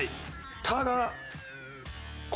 ただ。